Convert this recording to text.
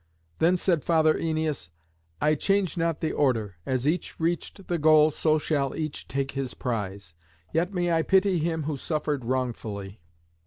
Then said Father Æneas, "I change not the order; as each reached the goal so shall each take his prize. Yet may I pity him who suffered wrongfully."